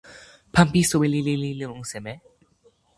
pan pi soweli lili li lon seme?